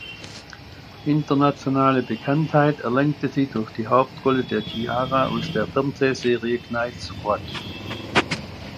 Internationale Bekanntheit erlangte sie durch die Hauptrolle der "Ciara" aus der Fernsehserie "Knight Squad".